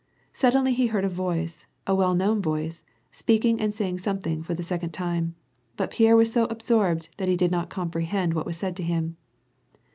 Suddenly he heard a voice, a well known voice, speaking and saying something for the second time. But Pierre was so absorbed, that he did not comprehend what was said to him.